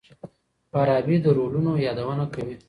فارابي د رولونو يادونه کوي.